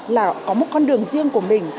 là có một con đường riêng của mình